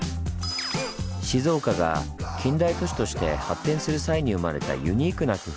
静岡が近代都市として発展する際に生まれたユニークな工夫。